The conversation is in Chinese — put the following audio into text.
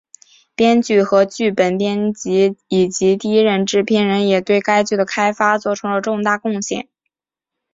编剧和剧本编辑以及第一任制片人也对该剧的开发作出了重大贡献。